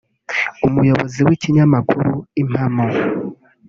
Umuyobozi w’ikinyamakuru Impamo